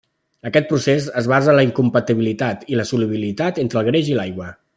Aquest procés es basa en la incompatibilitat de solubilitat entre el greix i l'aigua.